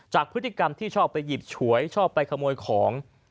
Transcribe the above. พฤติกรรมที่ชอบไปหยิบฉวยชอบไปขโมยของ